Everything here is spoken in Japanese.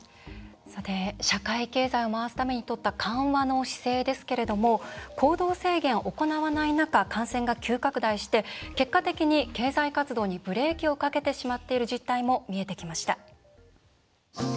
社会経済を守るためにとった緩和の姿勢ですけれども行動制限を行わない中感染が急拡大して、結果的に経済活動にブレーキをかけてしまっている実態も見えてきました。